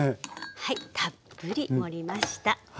はいたっぷり盛りました。